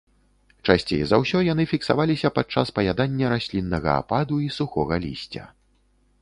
Часцей за ўсё яны фіксаваліся падчас паядання расліннага ападу і сухога лісця.